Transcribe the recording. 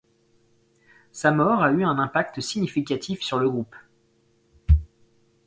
Sa mort a eu un impact significatif sur le groupe.